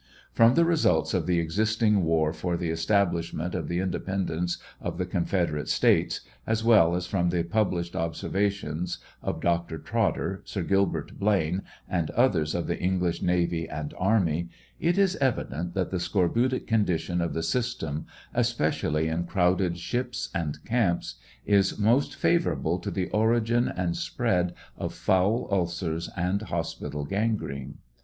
From the results of the existing war for the establishment of the in dependence of the Confederate States, as well as from the published observations of Dr. Trotter, Sir Gilbert Blane, and others of the Eng ligh navy and army, it is evident that the scorbutic condition of the system, especially in crowded ships and camps, is most favorable to REBEL TESTIMONY, 185 the origin and spread of foul ulcers and hospital gangrene.